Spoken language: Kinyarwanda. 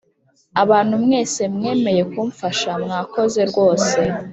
Abantu mwese mwemeye kumfasha mwakoze rwose